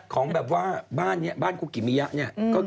ของแบบว่าบ้านคุกกิมิยะเนี่ย